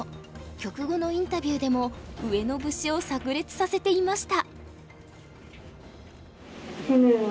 局後のインタビューでも上野節をさく裂させていました。